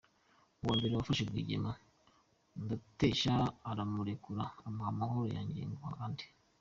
Ubwa mbere wafashe Rwigema, ndatesha uramurekura ,umuha amahoro, nanjye nguha andi.